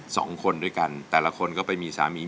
สองคนด้วยกันแต่ละคนก็ไปมีสามี